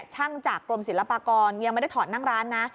ช่างจากกรมศิลปากรยังไม่ได้ถอดนั่งร้านนะ